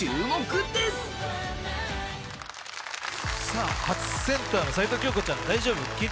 さあ、初センターの齊藤京子ちゃん大丈夫？